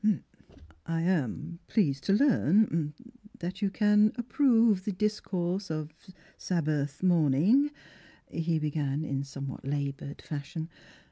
" I am pleased to learn — ah — that you can approve the discourse of Sabbath morning/' he be gan in somewhat labored fashion.